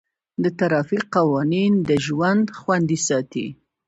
د ټرافیک قوانین د ژوند خوندي ساتي.